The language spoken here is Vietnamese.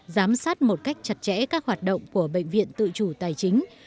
giám sát một cách chặt chẽ các hoạt động của bệnh viện tự chủ tài chính